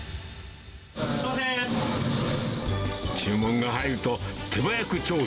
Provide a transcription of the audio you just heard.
注文が入ると、手早く調理。